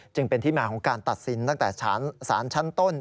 จึงเป็นที่มาของการตัดสินตั้งแต่สารชั้นต้น